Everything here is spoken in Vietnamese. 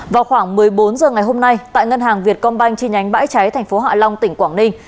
vào khoảng một mươi bốn h ngày hôm nay tại ngân hàng việt công banh chi nhánh bãi cháy thành phố hạ long tỉnh quảng ninh